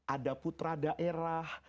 ada putra daerah